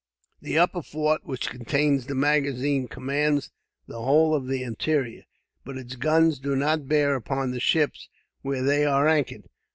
The upper fort, which contains the magazine, commands the whole of the interior. But its guns do not bear upon the ships where they are anchored.